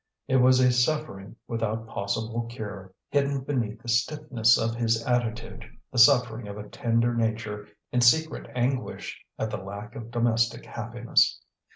It was a suffering without possible cure, hidden beneath the stiffness of his attitude, the suffering of a tender nature in secret anguish at the lack of domestic happiness.